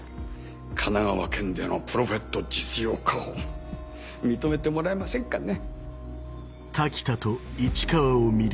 神奈川県でのプロフェット実用化を認めてもらえませんかね？